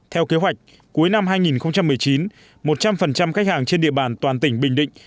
theo kế hoạch cuối năm hai nghìn một mươi chín một trăm linh khách hàng trên địa bàn toàn tỉnh bình định